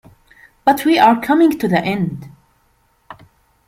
But we are coming to the end.